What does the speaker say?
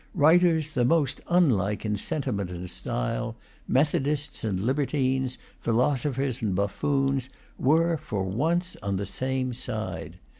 Writers the most unlike in sentiment and style, Methodists and libertines, philosophers and buffoons, were for once on the same side.